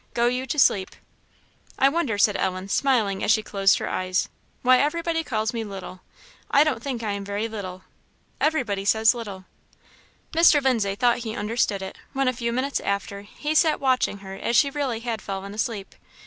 Go you to sleep." "I wonder," said Ellen, smiling as she closed her eyes, "why everybody calls me 'little;' I don't think I am very little. Everybody says 'little.' " Mr. Lindsay thought he understood it, when a few minutes after he sat watching her as she really had fallen asleep.